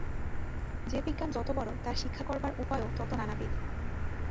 যে বিজ্ঞান যত বড়, তার শিক্ষা করবার উপায়ও তত নানাবিধ।